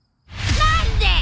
何で！？